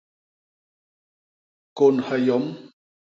Kôñha yom.